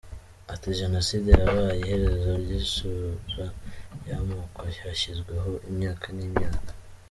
Ati“Jenoside yabaye iherezo ry’isura y’amoko yashyizweho imyaka n’imyaka.